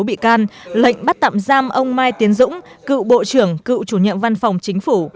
bị can lệnh bắt tạm giam ông mai tiến dũng cựu bộ trưởng cựu chủ nhận văn phòng chính phủ